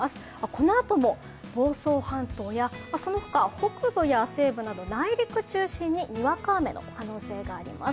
このあとも房総半島やそのほか北部や西部など内陸中心ににわか雨の可能性があります。